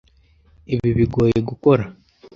Ibi bigoye gukora.